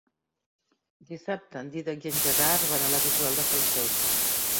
Dissabte en Dídac i en Gerard van a la Bisbal de Falset.